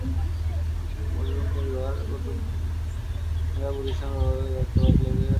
বর্মণ পরিবার হল প্রথম পরিবার যারা প্রতিষ্ঠান ব্যবস্থাপনার দায়িত্ব বাইরের লোকের কাছে স্থানান্তর করেছিল।